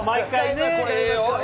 これ、ええよ。